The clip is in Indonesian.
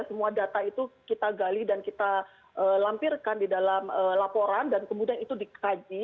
semua data itu kita gali dan kita lampirkan di dalam laporan dan kemudian itu dikaji